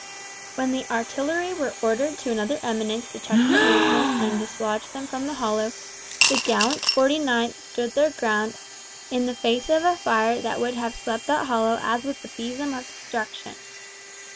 When the artillery were ordered to another eminence to check the movement and dislodge them from the hollow, the gallant 49th stood their ground in the face of a fire that would have swept that hollow as with the besom of destruction.